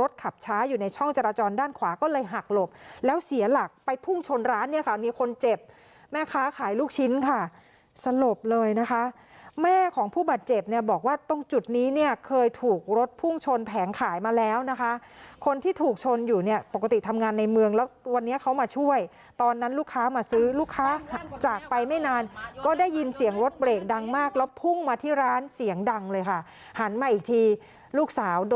รถขับช้าอยู่ในช่องจราจรด้านขวาก็เลยหักหลบแล้วเสียหลักไปพรุ่งชนร้านเนี่ยค่ะมีคนเจ็บแม่ค้าขายลูกชิ้นค่ะสลบเลยนะคะแม่ของผู้บัดเจ็บเนี่ยบอกว่าตรงจุดนี้เนี่ยเคยถูกรถพรุ่งชนแผงขายมาแล้วนะคะคนที่ถูกชนอยู่เนี่ยปกติทำงานในเมืองแล้ววันนี้เขามาช่วยตอนนั้นลูกค้ามาซื้อลูกค้าจากไปไม่นานก